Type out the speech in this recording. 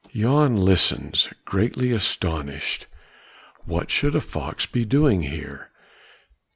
Jan listens greatly astonished what should a fox be doing here?